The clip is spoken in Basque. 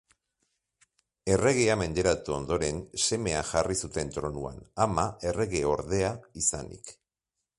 Erregea menderatu ondoren, semea jarri zuten tronuan, ama erregeordea izanik.